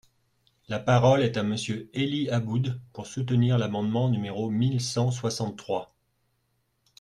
La parole est à Monsieur Élie Aboud, pour soutenir l’amendement numéro mille cent soixante-trois.